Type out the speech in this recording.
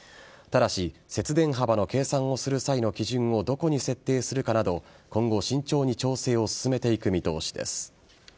ただし、節電幅の計算をする際の基準をどこに設定するかなど今後、慎重に調整を進めていく見通しです。